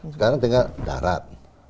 sekarang tinggal darat